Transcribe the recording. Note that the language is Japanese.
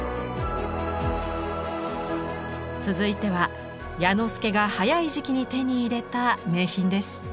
続いては彌之助が早い時期に手に入れた名品です。